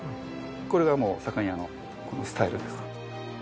これがもう左官屋のスタイルです。